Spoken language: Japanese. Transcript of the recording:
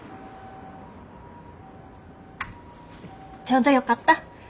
ちょうどよかった。